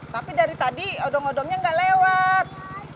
tapi dari tadi odong odongnya nggak lewat